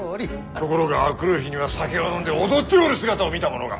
ところが明くる日には酒を飲んで踊っておる姿を見た者が。